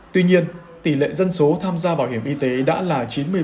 tuy nhiên tỷ lệ dân số tham gia bảo hiểm y tế đã là chín mươi ba ba mươi năm